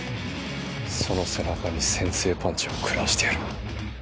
その背中に先制パンチを食らわせてやる。